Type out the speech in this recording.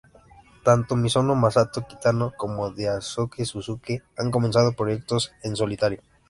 Tanto misono, Masato Kitano como Daisuke Suzuki han comenzado proyectos en solitario.